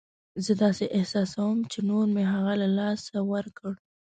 زه داسې احساسوم چې نور مې هغه له لاسه ورکړ.